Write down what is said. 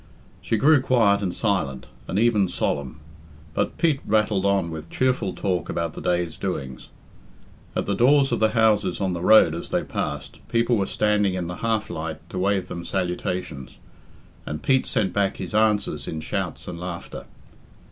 She grew quiet and silent, and even solemn. But Pete rattled on with cheerful talk about the day's doings. At the doors of the houses on the road as they passed, people were standing in the half light to wave them salutations, and Pete sent back his answers in shouts and laughter.